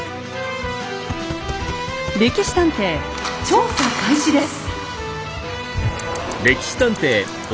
「歴史探偵」調査開始です。